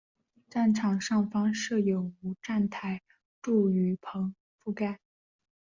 站场上方设有无站台柱雨棚覆盖。